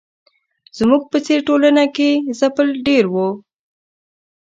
زموږ په څېر ټولنه کې ځپل ډېر وو.